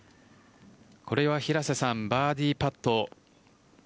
これは平瀬さんバーディーパット。